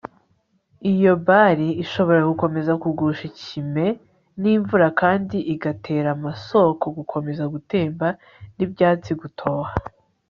iyo Bali ishobora gukomeza kugusha ikime nimvura kandi igatera amasoko gukomeza gutemba nibyatsi gutoha